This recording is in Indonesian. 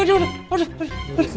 aduh aduh aduh